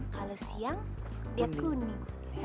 kalau siang dia kuning